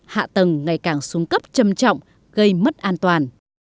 hạ tầng ngày càng xuống cấp châm trọng gây mất an toàn